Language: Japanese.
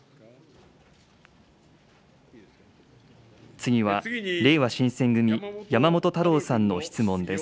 次はれいわ新選組、山本太郎さんの質問です。